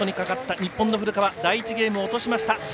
日本の古川第１ゲーム落としました。